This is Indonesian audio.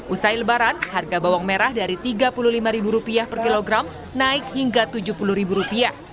usai lebaran harga bawang merah dari rp tiga puluh lima per kilogram naik hingga rp tujuh puluh